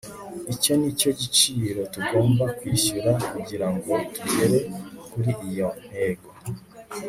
icyo ni cyo giciro tugomba kwishyura kugira ngo tugere kuri iyo ntego